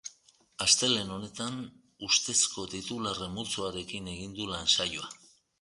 Astelehen honetan, ustezko titularren multzoarekin egin du lan-saioa.